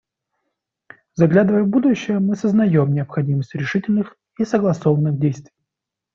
Заглядывая в будущее, мы сознаем необходимость решительных и согласованных действий.